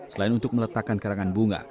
selain untuk meletakkan karangan bunga